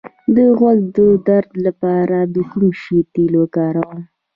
د غوږ د درد لپاره د کوم شي تېل وکاروم؟